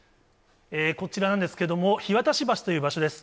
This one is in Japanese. こちらなんですけども、樋渡橋という場所です。